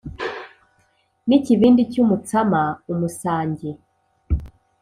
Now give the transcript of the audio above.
n’ikibindi cy’umutsama umusange